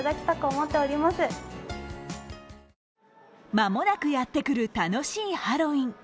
間もなくやってくる楽しいハロウィーン。